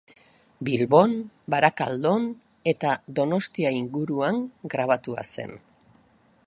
Bilbon, Barakaldon eta Donostia inguruan grabatua zen.